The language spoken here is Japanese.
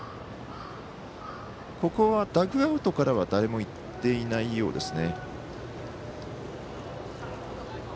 ここは、ダグアウトからは誰もいっていないようですね。